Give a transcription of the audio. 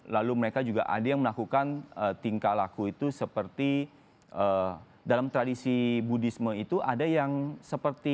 lalu mereka juga ada yang melakukan tingkah laku itu seperti dalam tradisi budisme itu ada yang seperti